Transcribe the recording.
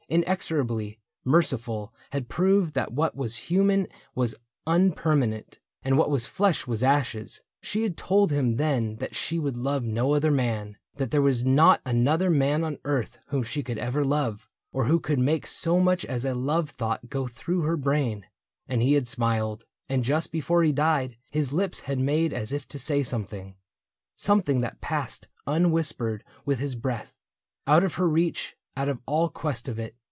Inexorably merciful, had proved That what was human was unpermanent And what was flesh was ashes. She had told Him then that she would love no other man, 142 THE BOOK OF ANNANDALE That there was not another man on earth Whom she could ever love, or who could make So much as a love thought go through her brain ; And he had smiled. And just before he died His lips had made as if to say something — Something that passed unwhispered with his breath, Out of her reach, out of all quest of it.